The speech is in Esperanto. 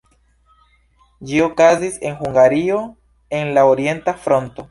Ĝi okazis en Hungario en la Orienta Fronto.